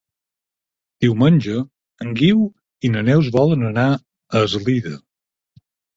Diumenge en Guiu i na Neus volen anar a Eslida.